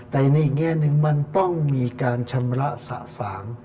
แต่ในแง่หนึ่งมันต้องมีการชำระสะสาง